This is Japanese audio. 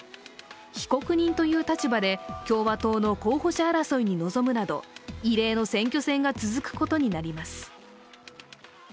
被告人という立場で共和党の候補者争いに臨むなど異例の選挙戦が続くことになります。